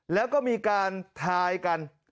แล้วก็มีการทายกัน